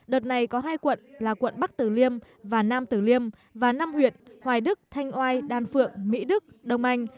đợt này có hai quận là quận bắc tử liêm và nam tử liêm và năm huyện hoài đức thanh oai đan phượng mỹ đức đông anh